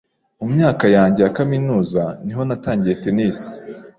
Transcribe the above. Mu myaka yanjye ya kaminuza niho natangiye tennis.